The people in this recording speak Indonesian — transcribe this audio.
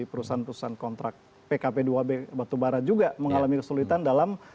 perusahaan perusahaan kontrak pkp dua b batubara juga mengalami kesulitan dalam